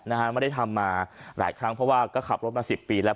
นะฮะไม่ได้ทำมาหลายครั้งเพราะว่าก็ขับรถมาสิบปีแล้ว